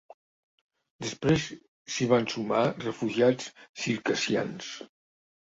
Després s'hi van sumar refugiats circassians.